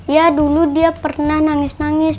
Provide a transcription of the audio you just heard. ya dulu dia pernah nangis nangis